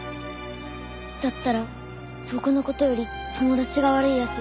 だったら僕の事より友達が悪い奴に。